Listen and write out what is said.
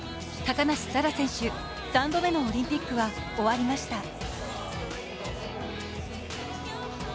高梨沙羅選手、３度目のオリンピックは終わりました。